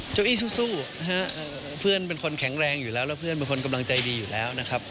เก้าอี้สู้นะฮะเพื่อนเป็นคนแข็งแรงอยู่แล้วแล้วเพื่อนเป็นคนกำลังใจดีอยู่แล้วนะครับ